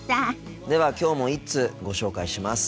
ではきょうも１通ご紹介します。